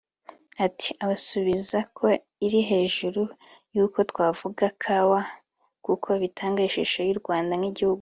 Ati “…Abasubiza ko iri hejuru y’uko twavuga kawa kuko bitanga ishusho y’u Rwanda nk’igihugu